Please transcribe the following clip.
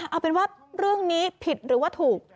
เอาเป็นว่าเรื่องนี้ผิดหรือว่าถูก